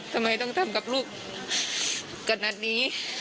ทำไมต้องทำกับลูกกันนั้นนี้